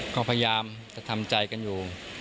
ก็พยายามจะทำใจกันอยู่